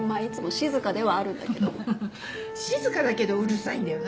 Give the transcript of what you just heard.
静かだけどうるさいんだよな。